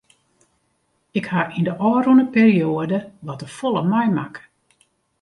Ik ha yn de ôfrûne perioade wat te folle meimakke.